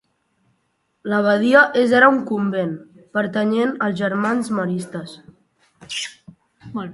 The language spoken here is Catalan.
L'abadia és ara un convent, pertanyent als Germans Maristes.